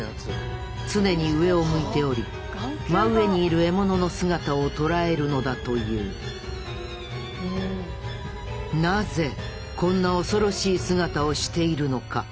常に上を向いており真上にいる獲物の姿を捉えるのだというなぜこんな恐ろしい姿をしているのか。